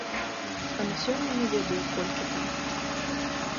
А на сёння не ведаю, колькі там.